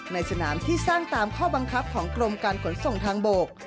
ในสนามที่สร้างตามข้อบังคับของกรมการขนส่งทางบก